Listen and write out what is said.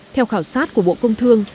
theo khảo sát của bộ công thương